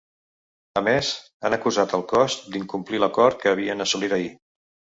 A més, han acusat al cos d’incomplir l’acord que havien assolit ahir.